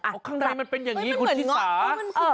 อ่าข้างในมันเป็นอย่างงี้คุณที่สา